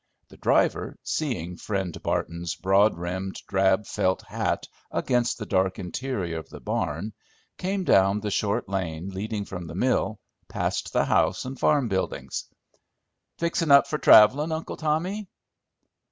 The driver, seeing Friend Barton's broad brimmed drab felt hat against the dark interior of the barn, came down the short lane leading from the mill, past the house and farm buildings. "Fixin' up for travelin', Uncle Tommy?"